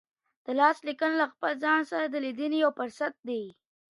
د لاس لیکنه له خپل ځان سره د لیدنې یو فرصت دی.